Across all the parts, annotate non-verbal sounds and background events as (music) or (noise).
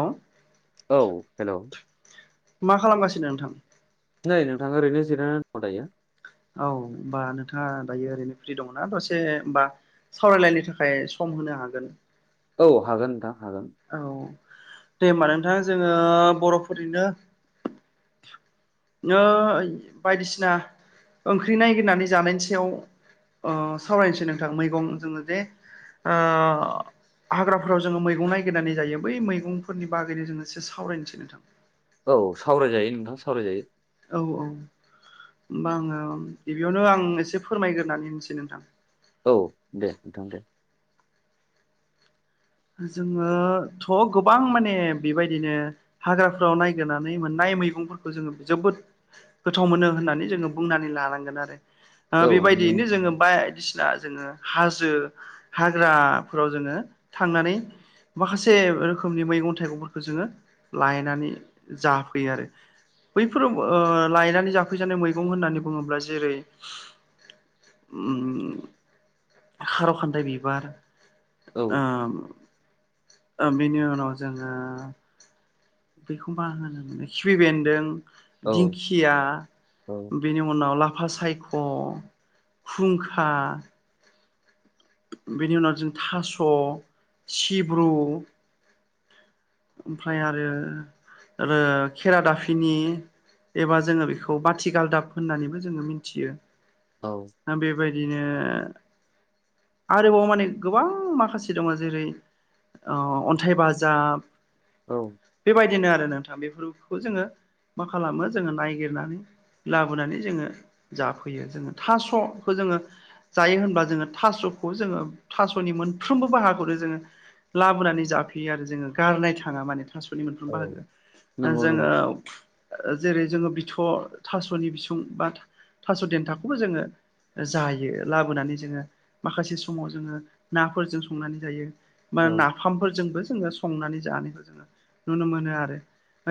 औ औ हेल' मा खालामगासिनो नोंथां नै नोंथां ओरैनो जिरायनानै दं दायो औ होनबा नोंथाङा दायो ओरैनो फ्रि दङना दसे होमबा सावरायलायनो थाखाय सम होनो हागोन औ हागोन नोंथां हागोन औ दे होमबा नोंथां जोङो बर'फोरनिनो नै बायदिसिना ओंख्रि नगिरनानै जानायनि सायाव सावरायनोसै नोंथां मैगं जोंनो जे हाग्राफोराव जोङो मैगं नायगिरनानै जायो बै मैगंफोरनि बागैनो जोङो एसे सावरायनोसै नोंथां औ सावरायजायो नोंथां सावरायजायो औ औ होमबा आङो गिबियावनो आं एसे फोरमायग्रोनानै होनोसै नोंथां औ दे नोंथां दे जोङोथ' गोबां माने बेबायदिनो हाग्राफोराव नायगिरनानै मोननाय मैगंफोरखौ जोङो जोबोद गोथाव मोनो होननानै जोङो बुंनानै लानांगोन आरो औ नंगौ बेबायदियैनो नोंथां। जोङो बायदिसिना जोङो हाजो हाग्राफोराव जोङो थांनानै माखासे रोखोमनि मैगं थाइगंफोरखौ जोङो लायनानै जाफैयो आरो बैफोराव लायनानै जाफैजानाय मैगं होननानै बुङोब्ला जेरै उ खारौ खान्दाइ बिबार औ ओं ओ बेनि उनाव जोङो बेखौ मा होनो खिबि बेन्दों औ दिंखि खिया औ बेनि उनाव लाफा सायख' खुंखा बेनि उनाव जों थास' सिब्रु ओमफ्राय आरो खेरा दाफिनि एबा जोङो बेखौ बाथिगालदाब होननानैबो जोङो मिथियो। औ नोंथां बेबायदिनो आरोबाव माने गोबां माखासे दङ जेरै ओ अन्थाइ बाजाब औ बेबायदिनो आरो नोंथां बेफोरखौ जोङो मा खालामो जोङो नायगिरनानै लाबोनानै जोङो जाफैयो जोङो थास'खो जोङो जायो होनबा जोङो थास'खौ जोङो थास'नि मोनफ्रोमबो बाहाखौनो जोङो लाबोनानै जाफैयो आरो जोङो गारनाय थाङा माने थास' नि मोनफ्रोम औ बाहागो दा नंगौ नंगौ जोङो ओ जेरै जोङो बिथ' थास'नि बिसुं बाथोन थास' देन्थाखौबो जोङो जायो लाबोनानै जोङो माखासे समाव जोङो नाफोरजों संनानै जायो बा औ ना नाफामफोरजोंबो जोङो संनानै जानायखौ जोङो नुनो मोनो आरो।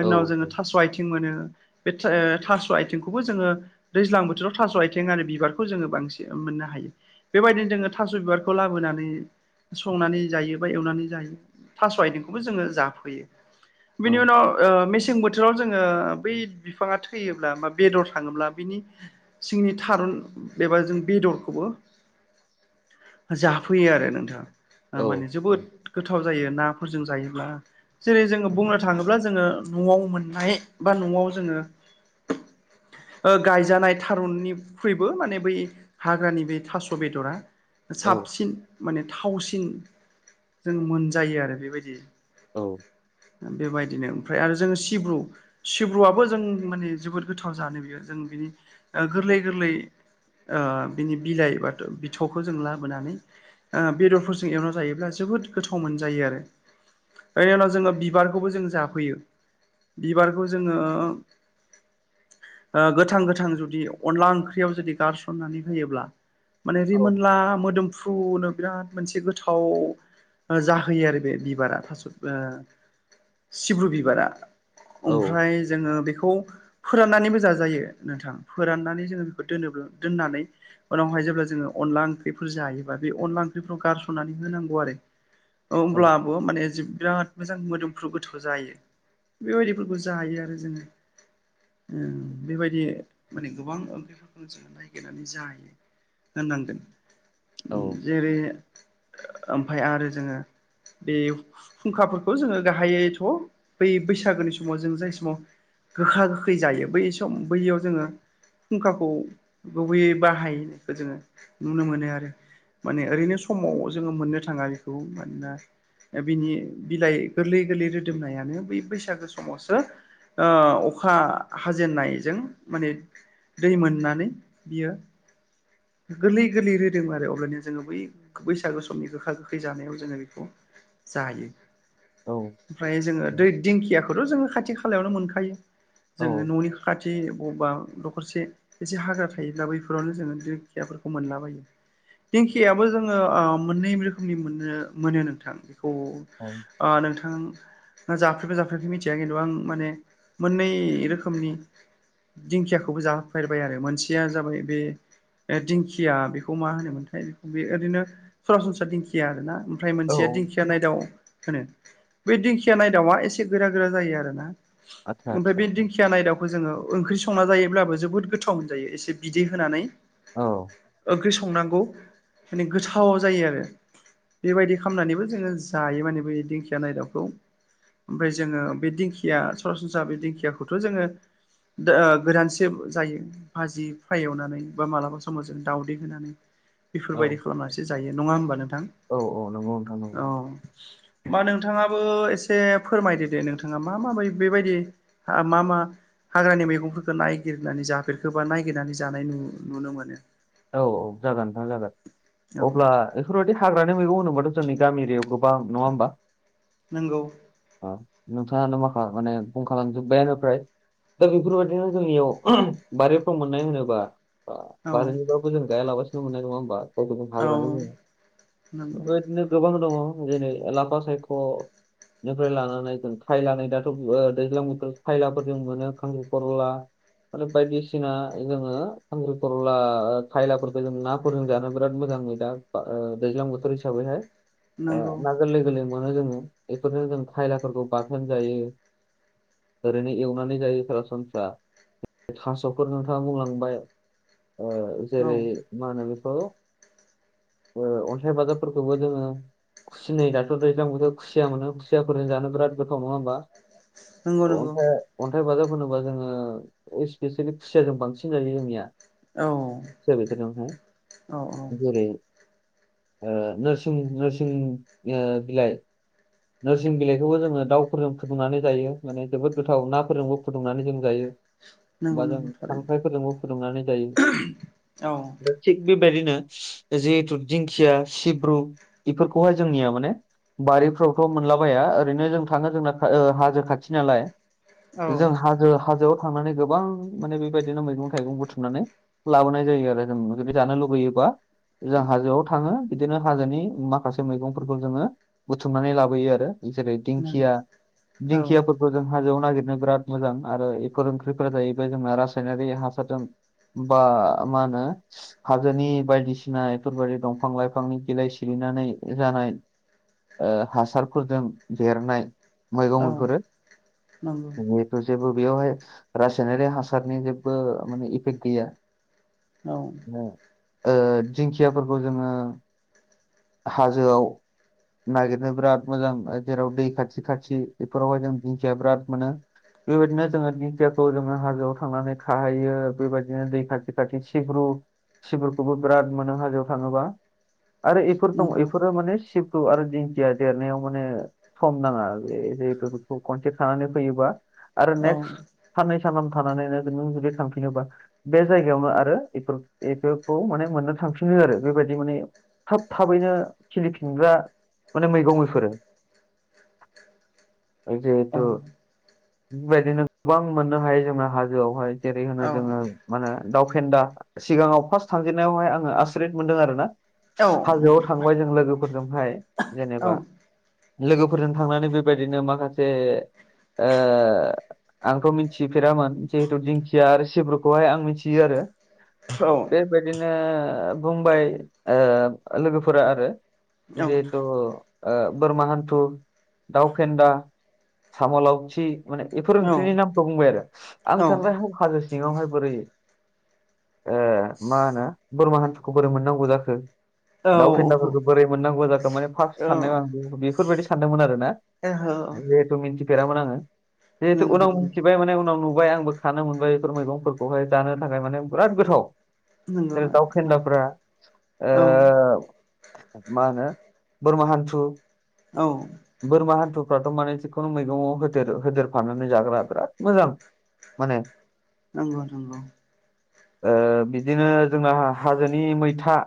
औ उनाव जोङो थास' आइथिं मोनो बे थास' आइथिंखौबो जोङो दैज्लां बोथोराव थास' आइथिं आरो बिबारखौ जोङो बांसिन मोननो हायो बेबायदिनो जोङो थास' बिबारखौ लाबोनानै संनानै जायो बा एवनानै जायो। थास' आइथिंखोबो जोङो जाफैयो औ बिनि उनाव ओ मेसें बोथोराव जोङो बै बिफाङा थैयोब्ला बा बेदर थाङोब्ला बिनि सिंनि थारुन एबा जों बेदरखौबो जाफैयो आरो औ नोंथां माने जोबोद गोथाव जायो नाफोरजों जायोब्ला जेरै जोङो बुंनो थाङोब्ला जोङो न'वाव मोननाय बा न'वाव जोङो ओ गायजानाय थारुननिख्रुइबो माने बै हाग्रानि बे थास' बेदरा औ साबसिन माने थावसिन जों मोनजायो आरो बेबायदि औ बेबायदिनो ओमफ्राय आरो जोङो सिब्रु सिब्रुआबो जों माने जोबोद गोथाव जानो बियो जों बिनि गोरलै गोरलै ओ बिनि बिलाइ बाथ' बिथ'खौ जों लाबोनानै ओ बेदरफोरजों एवना जायोब्ला जोबोद गोथाव मोनजायो आरो बेनि उनाव जोङो बिबारखौबो जों जाफैयो। बिबारखौ जोङो ओ गोथां गोथां जुदि अनला ओंख्रियाव जुदि गारसननानै होयोब्ला माने रिमोनला मोदोमफ्रुनो बिराद मोनसे गोथाव ओ जाहोयो आरो बे बिबारा थास' सिब्रु बिबारा ओमफ्राय जोङो बेखौ फोराननानैबो जाजायो नोंथां फोराननानै जोङो बेखौ दोनोब्ला दोननानै उनावहाय जेब्ला जोङो अनला ओंख्रिफोर जायोबा बे अनला ओंख्रिखौ गारस'नानै होनांगौ आरो औ औ ओमब्ला बो माने बिराद मोजां मोदोमफ्रु गोथाव जायो। बेबायदिफोरखौ जायो आरो जोङो। बेबायदि माने गोबां ओंख्रिफोरखौनो जोङो नायगिरनानै जायो होननांगोन। औ जेरै ओमफाय आरो जोङो बे फुंखाफोरखौ जोङो गाहायैथ' बै बैसागोनि समाव जों जाय समाव गोखा गोखै जायो बै सम बैयाव जोङो फुंखाखौ गुबैयै बाहायनायखौ जोङो नुनो मोनो आरो माने ओरैनो समाव जोङो मोननो थाङा बेखौ मानोना बिनि बिलाइ गोरलै गोरलै रोदोमनायानो बै बैसागो समावसो ओ अखा हाजेननायजों माने दै मोननानै बियो गोरलै गोरलै रोदोमो आरो अब्लानो जोङो बै बैसागु समनि गोखा गोखै जानायाव जोङो बेखौ जायो औ ओमफ्राय जोङो दै दिंखियाखौथ' जोङो खाथि खालायावनो मोनखायो जोङो न'नि खाथि बबेबा दखरसे एसे हाग्रा थायोब्ला बैफोरावनो जोङो दिंखियाफोरखौ मोनलाबायो दिंखियाबो जोङो मोननै रोखोमनि मोननो मोनो नोंथां बेखौ औ नोंथां जाफेरदोंना जाफेराखै मिथिया खिन्थु आं माने मोननै रोखोमनि दिंखियाखौबो जाहोफेरबाय आरो मोनसेया जाबाय बे दिंखिया बेखौ मा होनोमोनथाय बे बे ओरैनो सरासनस्रा दिंखिया आरो ना ओमफ्राय औ मोनसेया दिंखिया नायदाव होनो बे दिंखिया नायदावआ एसे गोरा गोरा जायो आरो ना आतसा ओमफ्राय आतसा बे दिंखिया खिया नाय दाउखौ जोङो ओंख्रि संना जायोब्लाबो जोबोद गोथाव मोनजायो एसे बिदै होनानै औ ओंख्रि संनांगौ माने गोथाव जायो आरो बेबायदि खालामनानैबो जोङो जायो माने बे दिंखिया नायदाबखौ ओमफ्राय जोङो बे दिंखिया सरासनस्रा बे दिंखियाखौथ' जोङो गोदानसे जायो भाजि फ्राय एवनानै बा मालाबा समाव जों दाउदै होनानै बेफोरबायदि औ खालामनासो जायो नङा होमबा नोंथां औ औ नंगौ नोंथां नंगौ औ मा नोंथाङाबो एसे फोरमायदो दे नोंथाङा मा माबा बेबायदि मा मा हाग्रानि मैगंफोरखौ नायगिरनानै जाफेरखोबा नायगिरनानै जानाय नुनो मोनो औ औ जागोन नोंथां जागोन औ अब्ला बेफोरबायदि हाग्रानि मैंगं होनोब्लााथ' जोंनि गामि एरिायाव गोबा नङा होमबा नोंगौ नोंथाङानो मा माने बुं खालामजोब्बायानोफ्राय दा बेफोरबायदिनो जोंनियाव बारिफ्राव मोननाय होनोबा अ औ बारिनि बाबो जों गायालाबासेनो मोन्नाय नङा होमबा? गावसिनि औ हाग्रानि बुङो नंगौ बेबायदिनो गोबां दङ जेरै लाफा सायख' निफ्राय लानानै जों खायला नै दाथ' ओ दैज्लां बोथोर खायलाफोर जों मोनो खांख्रि खरला आरो बायदिसिना जोङो खांख्रिखरला खायलाफोरफोरखौ जों नाफोरजों जानो बिराद मोजां मैदा ओ दैज्लां बोथोर हिसाबैहाय। आ नंगौ ना गोरलै गोरलै मोनो जोङो बेफोरजों जों खायलाफोरखौ बाथोन जायो। ओरैनो एवनानै जायो सरासनफ्रा थास'खौ नोंथाङा बुंलांबाय ओ औ जेरै मा होनो बेखौ ओ अनथाइ बाजाबफोरखौबो जोङो खुसिनै दाथ' दैज्लांबोथ' खुसिया मोनो खुसियाफोरजों जानो बिराद गोथाव। नङा होमबा? नंगौ नंगौ अनथाइ अन्थाइ बाजाब होनोबा जोङो इस्पेसियेलि खुसियााजों बांसिन जायो जोंनिया। औ। खुसिया बेदरजोंहाय औ जेरै ओ नोरसिं नोरसिं ओ बिलाइ नोरसिं बिलाइखौबो जोङो दाउफोरजों फुदुंनानै जायो माने जोबोद गोथाव नाफोरजोंबो फुदुंनानै जों जायो। नंगौ बा जों नंगौ थारैनो खांख्राइफोरजोंबो फुदुंनानै औ जायो। थि बेबायदिनो जिहेतु दिंखिया सिब्रु इफोरखौहाय जोंनिया माने बारिफ्राव फ्राव मोनलाबाया ओरैनो जों थाङो जोंना ओ हाजो खाथि नालाय। औ जों हाजो हाजोआव थांनानै गोबां माने बेबायदिनो मैगं थाइगं बुथुमनानै लाबोनाय जायो आरो जों जुदि जानो लुुबैयोबा जों हाजोआव थाङो बिदिनो हाजोनि माखासे मैगंफोरखौ जोङो बुथुमनानै लाब बोयो आरो जेरै नों दिंखिया औ दिंखियाफोरबो जों हाजोआव नागिरनो बिराद मोजां आरो एफोर ओंख्रिफोरा जाहैबाय जोंना रासायनारि हासारजों बा मा होनो हाजोनि बायदिसिना एफोरबायदि दंफां लाइफांनि बिलाइ सिरिनानै जानाय ओ हासारफोरजों देरनाय मैगं औ बेफोरो नंगौ बिनि थ जेबो बेयावहाय रासायनारि हासारनि जेबो माने इफेक्ट गैया। औ। ओ ओ दिंखियाफोरखौ जोङो हाजोआव नागिरनो बिराद मोजां जेराव दै खाथि खाथि बेफोरावहाय जों दिंखिया बिराद मोनो। बेबायदिनो जोङो दिखायाखौ जोङो हाजोआव थांनानै खाहैयो बेबायदिनो दै खाथि खाथि सिब्रु सिब्रुखौबो बिराद मोनो हाजोआव थाङोबा। आरो इफोर दं नंगौ इफोरो माने सिब्रु आरो दिंखिया देरनायाव माने सम नाङा ए जिहेथु बेखौ खनसे खानानै फैयोबा आरो औ नेक्स्ट साननै सानाम थानानैनो नों जुदि थांफिनोबा बे जायगायावनो आरो इफोर इफोरखौ माने मोननो थांफिनो आरो बेबायदि माने खोब थाबैनो खिलिफिनग्रा माने मैगं बिफोरो औ जिहेथु बेबायदिनो गोबां मोननो हायो जोंना हाजोआवहाय जेरै होनो औ जोङो मा होनो दाव फेन्दा सिगाङाव फार्स्ट थानजेननायावहाय आङो आसुरित मोनदों आरो ना हाजोआव नंगौ थांबाय जों लोगोफोरजोंहाय औ जेनेबा लोगोफोरजों थांनानै बेबायदिनो माखासे ओ आंथ' मिथिफेरामोन जिहेथु दिंखिया आरो सिब्रुखौहाय आं मिथियो आरो। औ बेबायदिनो बुंबाय ओ लोगोफोरा आरो जे अ ओ बोरमा हान्थु दाउ फेन्दा साम' लावथि माने इफोर औ ओंख्रिनि नामखौ बुंबाय आरो आं औ सानबाय हाब हाजो सिङावहाय बोरै ओ मा होनो बोरमा हान्थुखौ बोरै मोननांगौ जाखो औ दा फेन्दाफोरखौ बोरै मोननांगौ जाखो माने फार्स्ट साननायाव आं बेफोरबायदि सानदोंमोन आरोना ओहो जिहेथु मिथिफेरामोन आङो जिहेथु नोंगो उनाव मिनथिबाय माने उनाव नु बाय आंबो खानो मोनबाय बेफोर मैगंफोरखौहाय जानो थाखाय माने बिराद गोथाव नोंगौ जेरै दाव औ फेन्दाफ्रा औ ओ मा होनो बोरमा हानथु औ बोरमा हान्थुफ्राथ' माने जिखुनु मैगङाव होदेर होदेरफनानै जाग्रा बिराद मोजां माने नोंगौ‌ नोंथां बिदिनो जोंना हाजोनि मैथा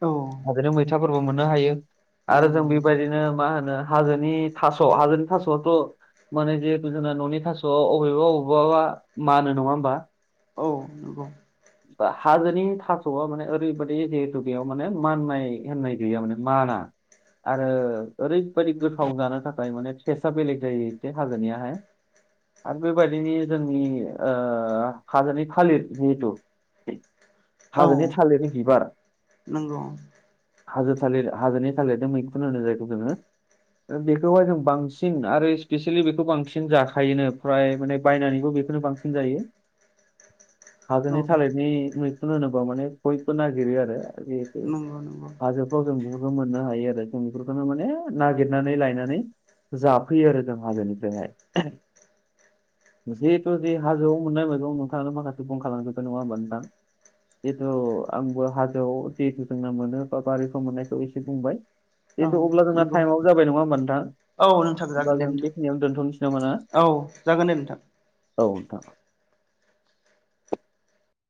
औ हाजोनि मैथाफोरबो मोननो हायो आरो जों नंगौ नंगौ औ बेबायदिनो मा होनो हाजोनि थास' हाजोनि थास'आथ' माने जिहेतु जोंना न'नि थास'वा अबेबा अबेबा बा मानो नङा होमबा औ नंगौ हाजोनि थास'आ माने ओरैबायदि जिहेतु बेयाव माने माननाय होननाय गैया माने माना आरो ओरैबायदि गोथाव जानो थाखाय माने टेसआ बेलेग जायो एसे हाजोनिहाय आरो बेबायदिनो जोंनि ओ हाजोनि थालिर जिहेतु हाजोनि थालिरनि बिबार नोंगौं हाजो थालिर हाजोनि थालिरदों मैखुन होनो जायखौ जोङो बेखौहाय जों बांसिन आरो स्पेसियेलि बेखौ बांसिन जाखायोनो फ्राय माने बायनानैबो बेखौनो बां नजायो (inaudible) औ हाजोनि थालिरनि मैखुन होनोबा माने बयबो नागिरो आरो जिहेतु नंगौ नंगौ हाजोफ्राव जों बेफोरखौ मोननो हायो आरो जों बेफोरखौनो माने नागिरनानै लायनानै जाफैयो आरो जों हाजोनिफ्रायहाय जिहेथु जि हाजोआव मोननाय मैगं नोंथाङानो माखासे बुलांखाजोबबाय नङा ओमबा नोंथां जितु आंबो हाजोआव जितु जोंना मोनो बा बारिफोराव मोननायखौ एसे बुंबाय औ जिहेतु अब्ला जोंना नंगौ टाइमाबो जाबाय नङा होमबा नोंथां औ नोंथां होमबा जागोन दे जों नोंथां बेखिनियाव दोनथ'नोसै नामा ना औ जागोन दे नोंथां औ नोंथां